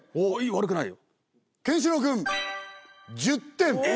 悪くない。